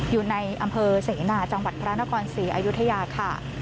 อยู่ในอำเภอเสนาจังหวัดพระนครศรีอยุธยาค่ะ